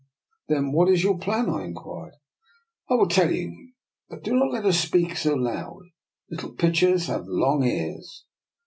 Then what is your plan? " I inquired. I will tell you. But do not let us speak so loud: little pitchers have long ears.